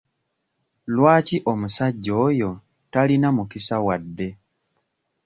Lwaki omusajja oyo talina mukisa wadde?